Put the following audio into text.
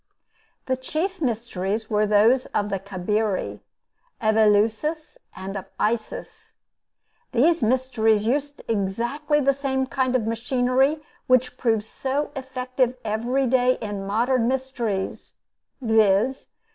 The chief mysteries were those of the Cabiri, of Eleusis, and of Isis. These mysteries used exactly the same kind of machinery which proves so effective every day in modern mysteries, viz.